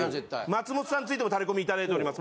松本さんについてもタレコミ頂いております。